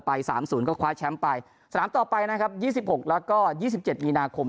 ไป๓๐ก็คว้าแชมป์ไปสนามต่อไปนะครับ๒๖แล้วก็๒๗มีนาคม